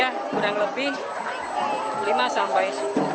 kurang lebih lima sampai sepuluh